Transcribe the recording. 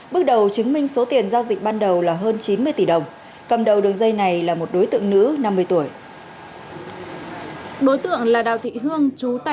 bước đầu chứng minh số tiền giao dịch ban đầu là hơn chín mươi tỷ đồng